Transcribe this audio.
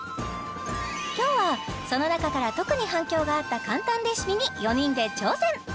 今日はその中から特に反響があった簡単レシピに４人で挑戦！